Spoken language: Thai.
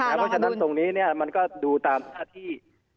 เพราะฉะนั้นตรงนี้มันก็ดูตามหน้าที่